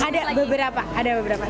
ada beberapa ada beberapa